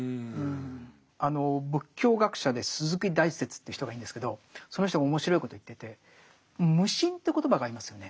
仏教学者で鈴木大拙という人がいるんですけどその人が面白いことを言ってて無心という言葉がありますよね。